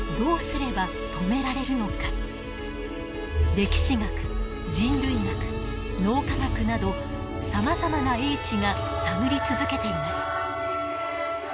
歴史学人類学脳科学などさまざまな英知が探り続けています。